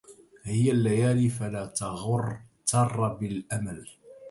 هي الليالي فلا تغتر بالامل